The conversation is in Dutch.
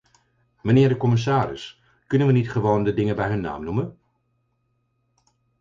Mijnheer de commissaris, kunnen we niet gewoon de dingen bij hun naam noemen?